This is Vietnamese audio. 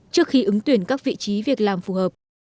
trước khi ứng tuyển các vị trí việc làm phù hợp